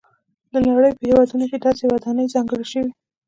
د نړۍ په هېوادونو کې داسې ودانۍ ځانګړې شوي.